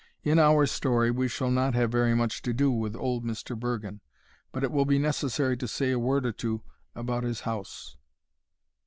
In our story we shall not have very much to do with old Mr. Bergen, but it will be necessary to say a word or two about his house.